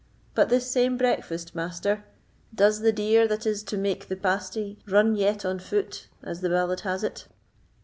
But this same breakfast, Master—does the deer that is to make the pasty run yet on foot, as the ballad has it?"